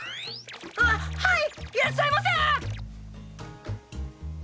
あハイいらっしゃいませ！